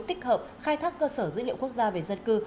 tích hợp khai thác cơ sở dữ liệu quốc gia về dân cư